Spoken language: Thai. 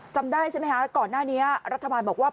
จำได้ใช่ไหมคะก่อนหน้านี้รัฐบาลบอกว่า